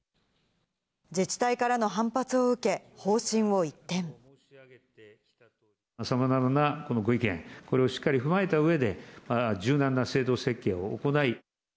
自治体からの反発を受け、さまざまなご意見、これをしっかり踏まえたうえで、柔軟な制度設計を行い。